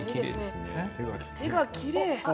手がきれい。